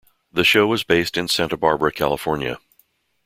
The show was based in Santa Barbara, California.